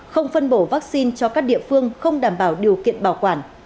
không phân bổ vaccine cho các địa phương không đảm bảo điều kiện bảo quản